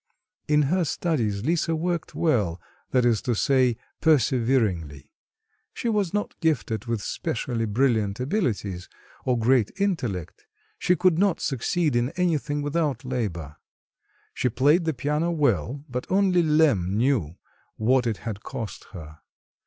In her studies Lisa worked well, that is to say perseveringly; she was not gifted with specially brilliant abilities, or great intellect; she could not succeed in anything without labour. She played the piano well, but only Lemm knew what it had cost her.